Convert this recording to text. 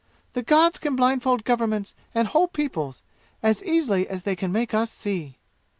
"The gods can blindfold governments and whole peoples as easily as they can make us see!"